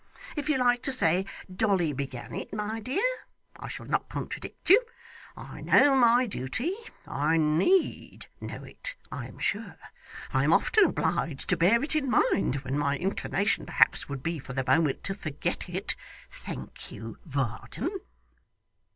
If you like to say Dolly began it, my dear, I shall not contradict you. I know my duty. I need know it, I am sure. I am often obliged to bear it in mind, when my inclination perhaps would be for the moment to forget it. Thank you, Varden.